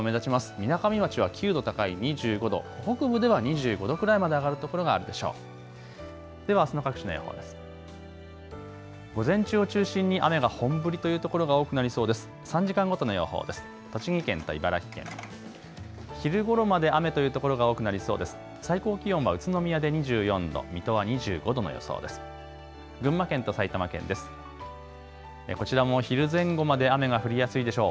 みなかみ町は９度高い２５度、北部では２５度くらいまで上がる所があるでしょう。